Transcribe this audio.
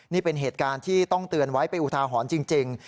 นี่เป็นเหตุการณ์ที่ต้องเตือนไว้เป็นอุทาหรณ์จริง